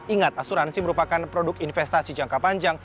ingat asuransi merupakan produk investasi jangka panjang